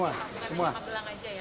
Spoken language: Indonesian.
bukan hanya magelang saja ya